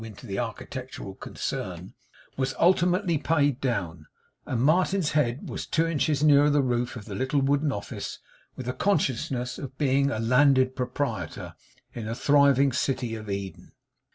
into the architectural concern was ultimately paid down; and Martin's head was two inches nearer the roof of the little wooden office, with the consciousness of being a landed proprietor in the thriving city of Eden.